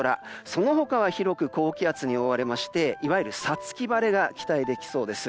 その他は広く高気圧に覆われましていわゆる五月晴れが期待できます。